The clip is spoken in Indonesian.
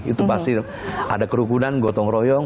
itu pasti ada kerukunan gorengan